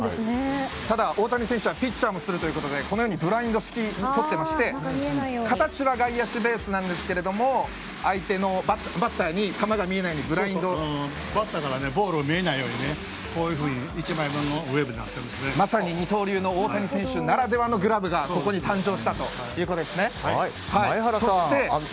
ただ、大谷選手はピッチャーもするということでこのようにブラインド式で形は外野手ベースですが相手のバッターに球が見えないようにバッターからボールが見えないようにこういうふうにまさに、二刀流の大谷選手ならではのグラブがここに誕生したということですね。